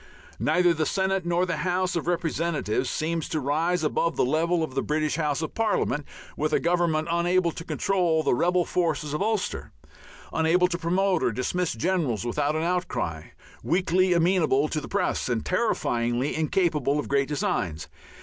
Neither the Senate nor the House of Representatives seem to rise above the level of the British Houses of Parliament, with a Government unable to control the rebel forces of Ulster, unable to promote or dismiss generals without an outcry, weakly amenable to the press, and terrifyingly incapable of great designs.